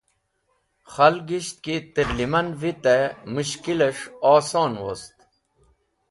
Kahlgisht ki tẽrlẽman vitẽ mushkiles̃h oson wost.